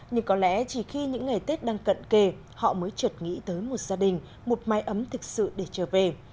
nhưng có lẽ chỉ khi những ngày tết đang cận kề họ mới trượt nghĩ tới một gia đình một mái ấm thực sự để trở về